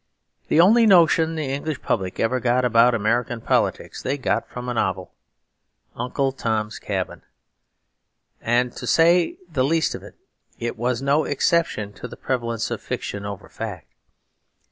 The only notion the English public ever got about American politics they got from a novel, Uncle Tom's Cabin; and to say the least of it, it was no exception to the prevalence of fiction over fact.